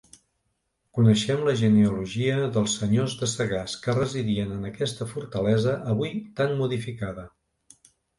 Coneixem la genealogia dels senyors de Sagàs, que residien en aquesta fortalesa, avui tan modificada.